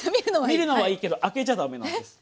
見るのはいいけど開けちゃダメなんです。